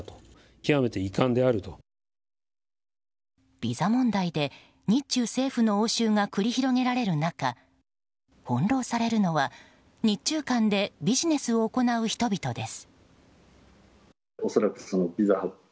ビザ問題で日中政府の応酬が繰り広げられる中翻弄されるのは日中間でビジネスを行う人々です。